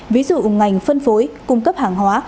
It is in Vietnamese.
ví dụ ngành phân phối cung cấp hàng hóa